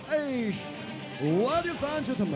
พระเจ้าพระเจ้าพระเจ้า